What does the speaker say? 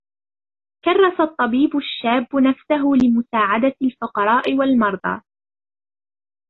كرّسَ الطبيبَ الشابَ نفسهُ لمساعدةِ الفقراءِ والمرضى.